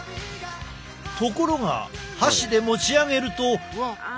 ところが箸で持ち上げるとこのとおり。